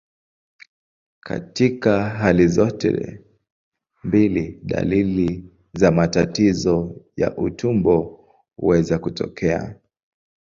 Katika hali zote mbili, dalili za matatizo ya utumbo huweza kutokea.